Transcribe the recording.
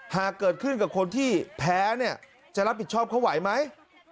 หากเกิดขึ้นกับคนที่แพ้เนี่ยจะรับผิดชอบเขาไหวไหม